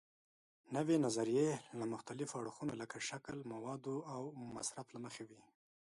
نوې نظریې له مختلفو اړخونو لکه شکل، موادو او مصرف له مخې وي.